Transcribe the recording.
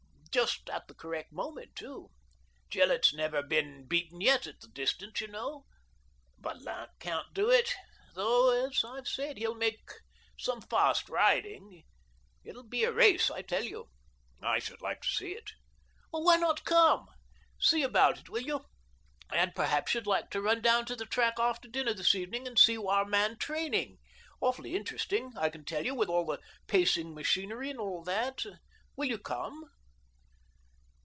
Just at the correct moment too. Gillett's never been beaten yet at the distance, you know. But Lant can't do it "AVALANCHE BICYCLE AND TYRE CO., LTD." 161 — though, as I have said, he'll make some fast riding — it'll be a race, I tell you !"" I should like to see it." "Why not come? See about it, will you? And perhaps you'd like to run down to the track after dinner this evening and see our man training — awfully interesting, I can tell you, with all the pacing machinery and that. Will you come?